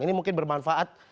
ini mungkin bermanfaat